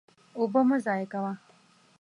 اوبه مه ضایع کوه.